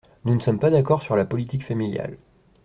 Nous ne sommes pas d’accord sur la politique familiale.